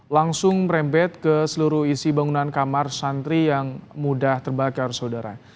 langsung merembet ke seluruh isi bangunan kamar santri yang mudah terbakar saudara